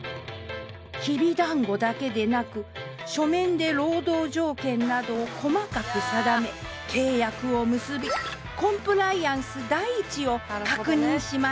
きびだんごだけでなく書面で労働条件などを細かく定め契約を結びコンプライアンス第一を確認しました。